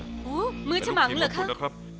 มือฉมังเหรอครับเป็นลูกทีมเหลือคุณนะครับ